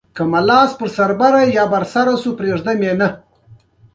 آیا دا په دښته کې د جنت نښه نه ده؟